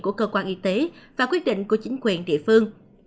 của cơ quan y tế và quyết định của chính quyền địa phương